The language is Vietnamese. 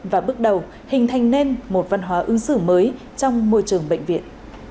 và bước đầu hình thành nên một văn hóa ứng xử mới trong môi trường bệnh viện